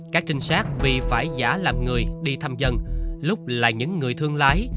các trinh sát vì phải giả làm người đi thăm dân lúc là những người thương lái